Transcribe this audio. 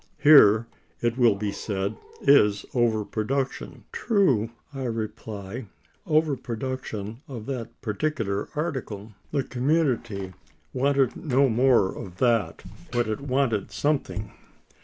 Here, it will be said, is over production. True, I reply; over production of that particular article. The community wanted no more of that, but it wanted something.